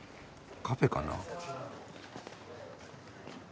カフェかな？